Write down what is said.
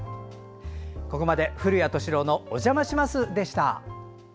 ここまで「古谷敏郎のおじゃまします」でした。